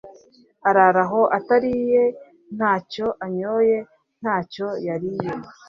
arara aho atariye, nta cyo anyoye, nta cyo yariye